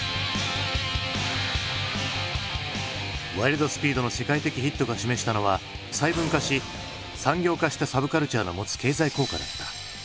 「ワイルド・スピード」の世界的ヒットが示したのは細分化し産業化したサブカルチャーの持つ経済効果だった。